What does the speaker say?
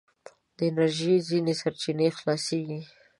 د انرژي ځينې سرچينې خلاصیږي.